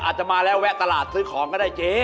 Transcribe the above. อาจจะมาแล้วแวะตลาดซื้อของก็ได้เจ๊